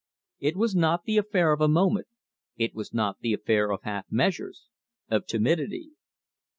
It was not the affair of a moment. It was not the affair of half measures, of timidity.